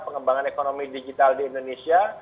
pengembangan ekonomi digital di indonesia